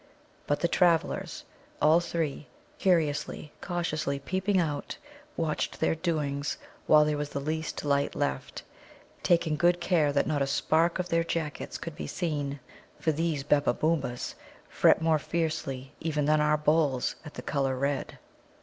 But the travellers, all three, curiously, cautiously peeping out, watched their doings while there was the least light left, taking good care that not a spark of their jackets should be seen, for these Babbabōōmas fret more fiercely even than our bulls at the colour red.